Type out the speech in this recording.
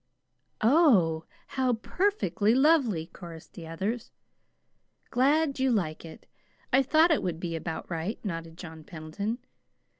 "Oh, how perfectly lovely!" chorused the others. "Glad you like it! I thought it would be about right," nodded John Pendleton.